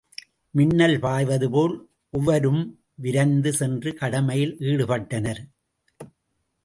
மின்னல் பாய்வது போல் ஒவ்வொரும் விரைந்து சென்று கடமையில் ஈடுபட்டனர்.